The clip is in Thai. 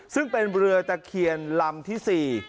ซึ่งเป็นเรือตะเคียนลำที่๔